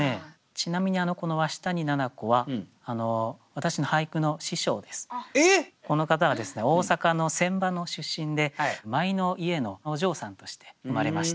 ちなみにこのこの方はですね大阪の船場の出身で舞の家のお嬢さんとして生まれました。